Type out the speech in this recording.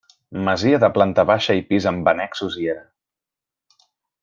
Masia de planta baixa i pis amb annexos i era.